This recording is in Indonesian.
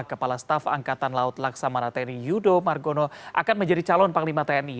kepala staf angkatan laut laksamana tni yudo margono akan menjadi calon panglima tni